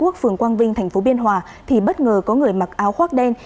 trung cư phường quang vinh tp biên hòa thì bất ngờ có người mặc áo khoác đen